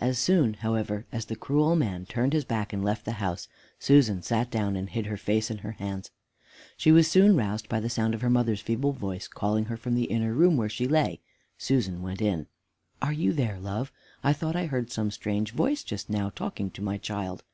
As soon, however, as the cruel man turned his back and left the house, Susan sat down, and hid her face in her hands. She was soon roused by the sound of her mother's feeble voice calling her from the inner room where she lay. Susan went in. "Are you there, love? I thought I heard some strange voice just now talking to my child.